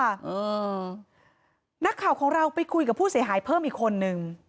อ่านักข่าวของเราไปคุยกับผู้เสียหายเพิ่มอีกคนนึง